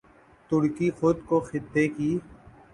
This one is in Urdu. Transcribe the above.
ترکی خود کو خطے کی